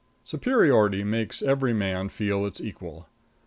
Superiority makes every man feel its equal.